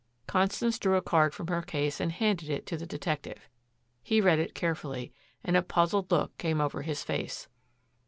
Constance drew a card from her case and handed it to the detective. He read it carefully, and a puzzled look came over his face.